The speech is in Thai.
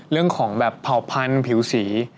เรื่องของแบบเผ่าพันธุ์ผิวสี